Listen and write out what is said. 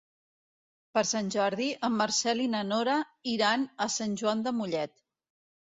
Per Sant Jordi en Marcel i na Nora iran a Sant Joan de Mollet.